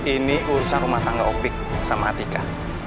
ini urusan rumah tangga opik sama atika